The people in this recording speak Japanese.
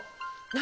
何？